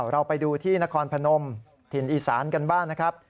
เราไปดูที่นครพนมถิ่นอีสานกันบ้างนะครับ